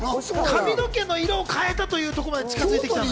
髪の毛の色を変えたというところまで近づいた。